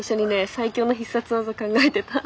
最強の必殺技考えてた。